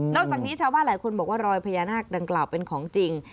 จากนี้ชาวบ้านหลายคนบอกว่ารอยพญานาคดังกล่าวเป็นของจริง